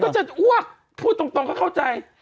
ฉันก็จะอ้วกพูดตรงก็เข้าใจ